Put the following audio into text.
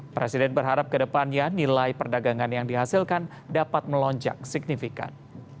presiden berharap ke depannya nilai perdagangan yang dihasilkan dapat melonjak signifikan